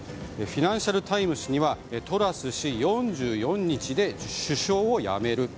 フィナンシャル・タイムズにはトラス氏、４４日で首相を辞める。